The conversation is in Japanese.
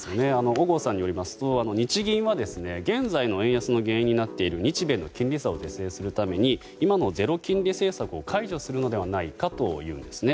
淡河さんによりますと日銀は現在の円安の原因になっている日米の金利差を是正するために今のゼロ金利政策を解除するのではないかというんですね。